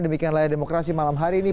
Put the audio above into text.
demikian layar demokrasi malam hari ini